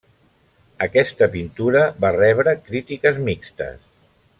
Aquesta pintura va rebre crítiques mixtes.